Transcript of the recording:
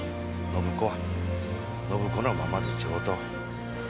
暢子は暢子のままで上等。